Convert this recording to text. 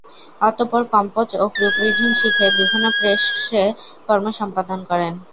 অতপর কম্পোজ ও proof reading শিখে বিভিন্ন প্রেসে কর্ম সম্পাদনা করেন।